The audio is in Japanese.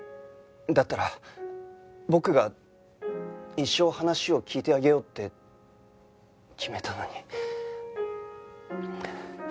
だったら僕が一生話を聞いてあげようって決めたのに。